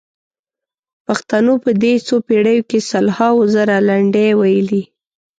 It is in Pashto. پښتنو په دې څو پېړیو کې سلهاوو زره لنډۍ ویلي.